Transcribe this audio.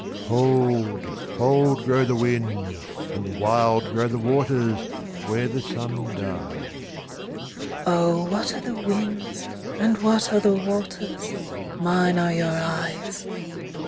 45 Cold, cold, grow the winds, And wild grow the waters, Where the sun dies: Oh ! what are the winds ? And what are the waters ? Mine are your eyes